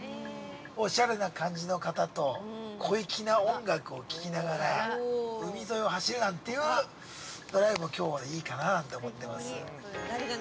おしゃれな感じの方と小粋な音楽を聴きながら、海沿いを走るなんていうドライブもきょうはいいかななんて思っております。